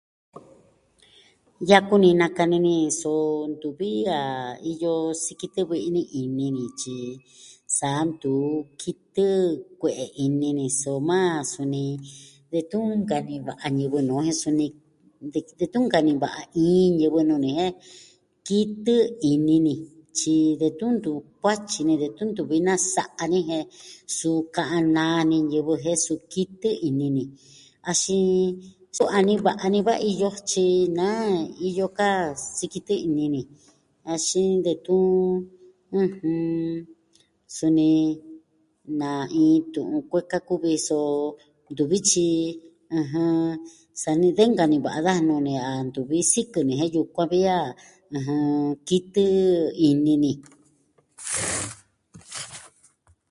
Yaku ni nakani ni so ntuvi a iyo sikitɨ vi'i ni ini ni tyi sa ntu kitɨ kue'e ini ni soma suni detun nka'an niva'a ñivɨ nuu on jen suni, detun ka'an niva'a iin ñivɨ nuu ni jen kitɨ ini ni, tyi detun ntuvi kuatyi ni, detun nasa'a ni jen suu ka'an naan ni ñivɨ jen su kitɨ ini ni axin so a niva'a ni va iyo tyi naa iyo ka sikitɨ ini ni, axin detun suni na iin tu'un kueka kuvi ji so ntu vi tyi, ɨjɨn, sani de nka'an niva'a daja nuu ni a ntuvi sikɨ ni jen yukuan vi a kitɨ ini ni.